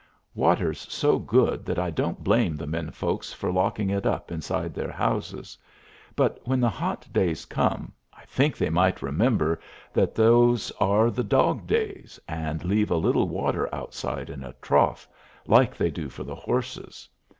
Water's so good that I don't blame the men folks for locking it up inside their houses; but when the hot days come, I think they might remember that those are the dog days, and leave a little water outside in a trough, like they do for the horses.